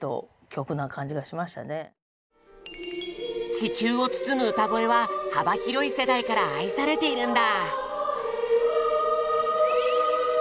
「地球をつつむ歌声」は幅広い世代から愛されているんだ。